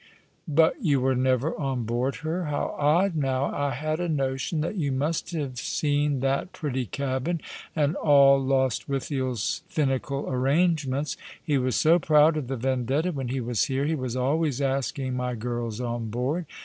" But you were never on board her ? How odd, now. I had a notion that you must have seen that pretty cabin, and all Lostwithiel's finical arrangements. He was so proud of the Vcjidetta when he was here. He was always asking my girls on board.